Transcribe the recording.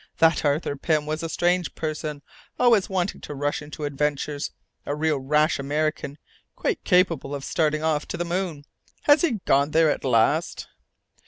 That Arthur Pym was a strange person, always wanting to rush into adventures a real rash American, quite capable of starting off to the moon! Has he gone there at last?"